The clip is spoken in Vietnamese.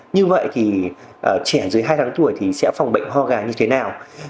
như vậy thì trẻ dưới hai tháng tuổi thì sẽ phòng bệnh ho gà như thế nào